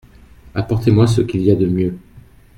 Apportez-moi ce qu’il y a de mieux.